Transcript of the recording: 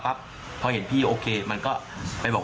ประเด็นที่สอง